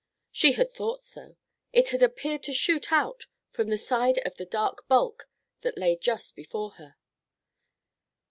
She had thought so. It had appeared to shoot out from the side of the dark bulk that lay just before her.